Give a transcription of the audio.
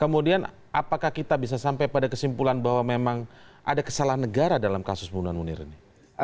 kemudian apakah kita bisa sampai pada kesimpulan bahwa memang ada kesalahan negara dalam kasus bunuh munir ini